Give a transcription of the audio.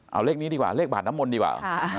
เอาเลขนี้ดีกว่าเลขบาดน้ำมนต์ดีกว่า